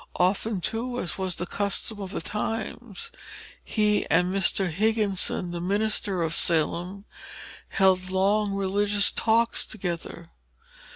Often, too, as was the custom of the times, he and Mr. Higginson, the minister of Salem, held long religious talks together.